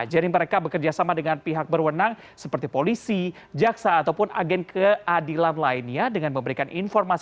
jadi mereka bekerjasama dengan pihak berwenang seperti polisi jaksa ataupun agen keadilan lainnya dengan memberikan informasi